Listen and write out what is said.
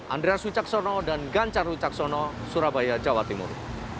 andreas wicaksono dan ganjar wicaksono surabaya jawa timur